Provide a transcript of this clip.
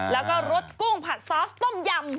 แล้วก็รสกุ้งผัดซอสต้มยำ